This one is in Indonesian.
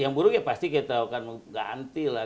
yang buruk ya pasti kita akan ganti lah